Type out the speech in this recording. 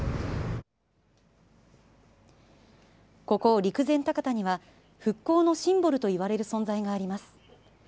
ここ陸前高田には復興のシンボルといわれる存在があります。